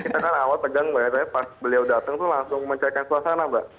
jadi kita kan awal tegang mbak ya pas beliau datang tuh langsung mencairkan suasana mbak